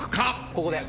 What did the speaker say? ここで。